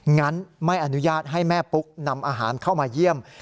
งั้นไม่อนุญาตให้แม่ปุ๊กนำอาหารเข้ามาเยี่ยม